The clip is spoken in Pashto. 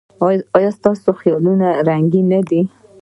ایا ستاسو خیالونه رنګین دي؟